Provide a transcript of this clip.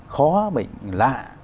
khó bệnh lạ